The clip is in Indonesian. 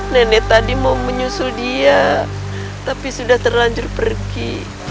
nenek tadi mau menyusul dia tapi sudah terlanjur pergi